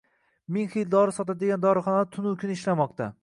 Ming xil dori sotadigan dorixonalar tunu kun ishlamoqda.